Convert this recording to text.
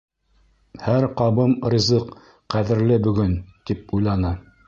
Һәр ҡабым ризыҡ ҡәҙерле бөгөн, тип уйланы.